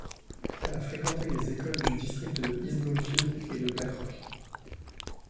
Elle a fréquenté les écoles du district de East Bloomfield et de Black Rock.